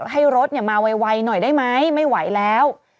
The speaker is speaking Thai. ให้รถมาไวหน่อยได้ไหมไม่ไหวแล้ว